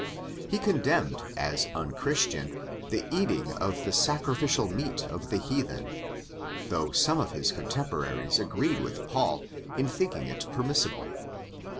He condemned as unchristian the eating of the sacrificial meat of the heathen, though some of his contemporaries agreed with Paul in thinking it permissible.